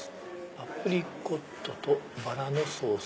「アプリコットとバラのソース」。